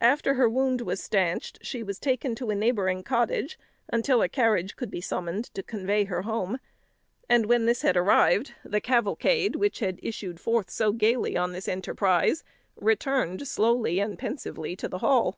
After her wound was stanched, she was taken to a neighbouring cottage until a carriage could be summoned to convey her home; and when this had arrived, the cavalcade, which had issued forth so gaily on this enterprise, returned slowly and pensively to the Hall.